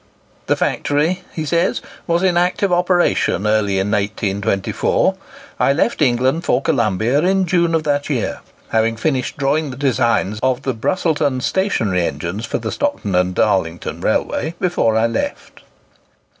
"The factory," he says, "was in active operation early in 1824; I left England for Colombia in June of that year, having finished drawing the designs of the Brusselton stationary engines for the Stockton and Darlington Railway before I left."